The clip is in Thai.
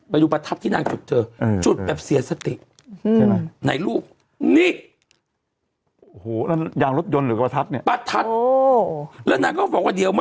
ไปดูประทับที่นั่งจุดเจอจุดแบบเสียสติ